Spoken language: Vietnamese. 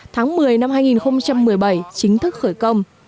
tháng một mươi năm hai nghìn một mươi bảy chính thức khởi công